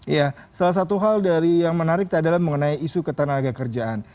ya salah satu hal dari yang menarik adalah mengenai isu ketenaga kerjaan